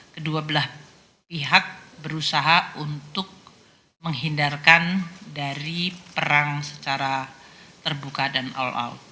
kedua belah pihak berusaha untuk menghindarkan dari perang secara terbuka dan all out